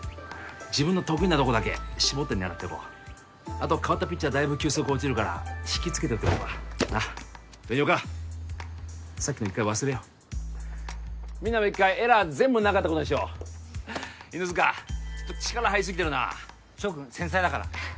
自分の得意なとこだけ絞って狙ってこうあと代わったピッチャーだいぶ球速落ちるから引きつけて打ってこうかなっ紅岡さっきの一回忘れようみんなも一回エラー全部なかったことにしよう犬塚力入りすぎてるな翔君繊細だからはい